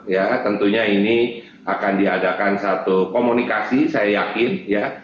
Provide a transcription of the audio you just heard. ya tentunya ini akan diadakan satu komunikasi saya yakin ya